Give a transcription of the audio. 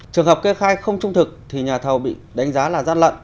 trường hợp kê khai không trung thực thì nhà thầu bị đánh giá là gian lận